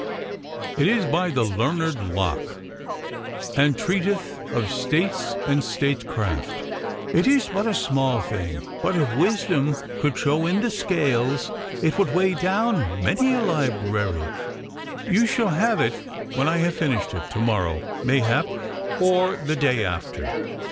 'It is by the learned Locke, and treateth of states and statecraft. It is but a small thing, but if wisdom could show in the scales it would weigh down many a library. You shall have it when I have finished it, to morrow mayhap or the day after.